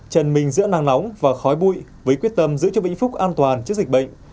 chân mình giữa nắng nóng và khói bụi với quyết tâm giữ cho vĩnh phúc an toàn trước dịch bệnh